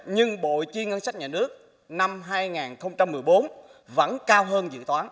nhưng bộ chi ngân sách nhà nước năm hai nghìn một mươi bốn vẫn cao hơn dự toán